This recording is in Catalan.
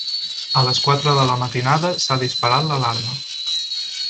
A les quatre de la matinada s'ha disparat l'alarma.